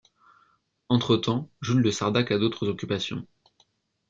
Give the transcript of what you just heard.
Entre-temps, Jules de Sardac a d’autres occupations.